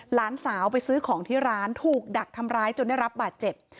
หลานสาวไปซื้อของที่ร้านถูกดักทำร้ายจนได้รับบาดเจ็บ